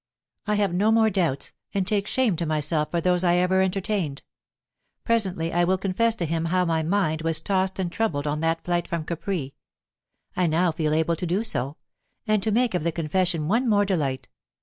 "I have no more doubts, and take shame to myself for those I ever entertained. Presently I will confess to him how my mind was tossed and troubled on that flight from Capri; I now feel able to do so, and to make of the confession one more delight.